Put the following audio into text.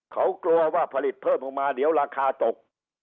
เขากลัวว่าผลิตเพิ่มออกมาเดี๋ยวราคาตก